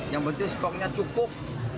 yang penting stoknya cukup